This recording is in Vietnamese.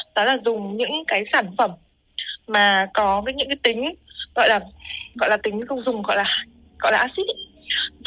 đó là dùng những cái sản phẩm mà có những cái tính gọi là tính dùng gọi là acid